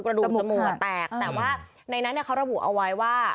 ดูจมูกแตกแต่ว่าในนั้นเขาระบุเอาไว้ว่า